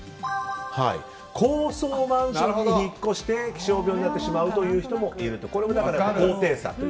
高層マンションに引っ越して気象病になってしまう人もいると。